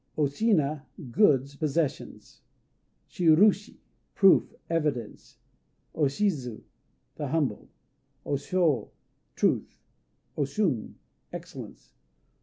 O Shina "Goods," possessions. Shirushi "Proof," evidence. O Shizu "The Humble." O Shô "Truth." O Shun "Excellence."